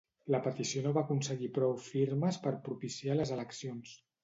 La petició no va aconseguir prou firmes per propiciar les eleccions.